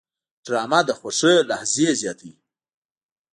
ډرامه د خوښۍ لحظې زیاتوي